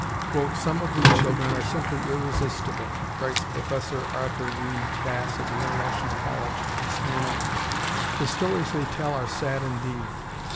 "Some of these children are simply irresistible," writes Professor Arthur Reed Cass of the International College, Smyrna, "The stories they tell are sad indeed.